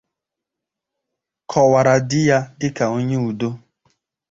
kọwàrà di ya dịka onye udo